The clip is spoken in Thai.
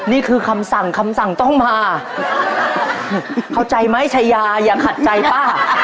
นี่คือคำสั่งคำสั่งต้องมาเข้าใจไหมชายาอย่าขัดใจป้า